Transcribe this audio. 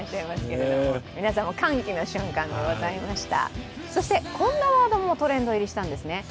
皆さんも歓喜の瞬間がございました。